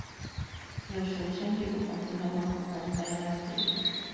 Los shows en vivo continuaban con Oscar en la batería.